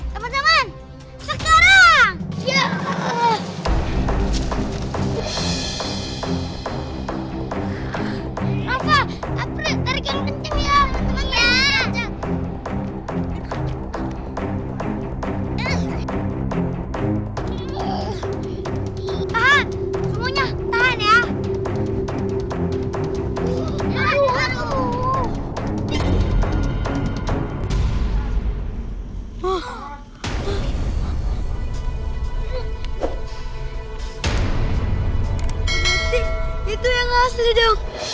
teman teman sekarang ya